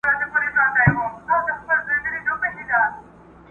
نور به یې پاڼي له نسیمه سره نه نڅیږي.!